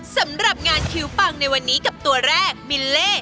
สำหรับงานคิวปังในวันนี้กับตัวแรกบิลเล่